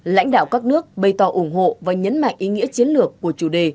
lãnh đạo các nước bày tỏ ủng hộ và nhấn mạnh ý nghĩa chiến lược của chủ đề